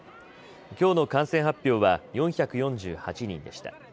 きょうの感染発表は４４８人でした。